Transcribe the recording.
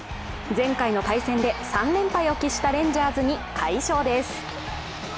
前回の対戦で３連敗を喫したレンジャーズに快勝です。